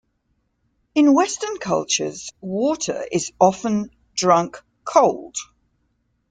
In western cultures, water is often drunk cold.